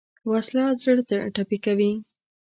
وسله زړه ټپي کوي